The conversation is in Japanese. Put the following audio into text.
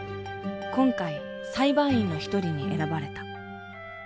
今回裁判員の一人に選ばれた。